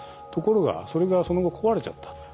ところがそれがその後壊れちゃった。